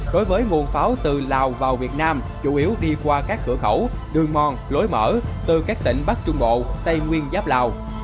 đối với nguồn pháo từ lào vào việt nam chủ yếu đi qua các cửa khẩu đường mòn lối mở từ các tỉnh bắc trung bộ tây nguyên giáp lào